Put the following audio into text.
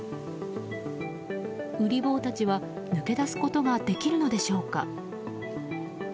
ウリ坊たちは、抜け出すことができるのでしょうか。